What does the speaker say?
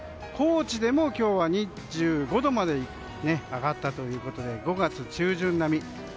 高知でも今日は２５度まで上がったということで５月中旬並み。